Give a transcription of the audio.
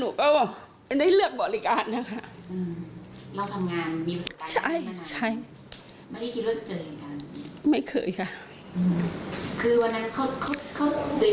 อืมเราทำงานใช่ใช่ไม่เคยค่ะคือวันนั้นเขาเขาเขาเขา